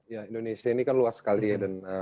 ya indonesia ini kan luas sekali ya